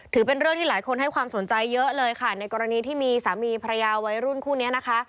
ถือเป็นเรื่องที่หลายคนให้ความสนใจเยอะเลยค่ะในกรณีที่มีสามีภรรยาวัยรุ่นคู่นี้นะคะ